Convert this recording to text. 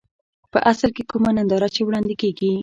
په اصل کې کومه ننداره چې وړاندې کېږي.